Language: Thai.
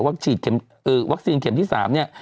ฉีดวัคซีนเข็มที่๓เนี่ย